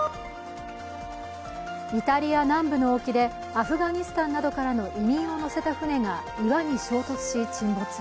イタリア南部の沖でアフガニスタンなどからの移民を乗せた船が岩に衝突し、沈没。